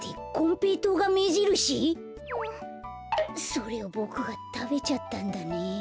それをボクがたべちゃったんだね。